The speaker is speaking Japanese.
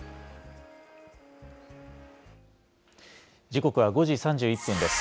時刻は５時３１分です。